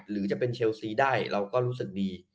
หรือจะเป็นเชลซีได้เราก็รู้สึกดี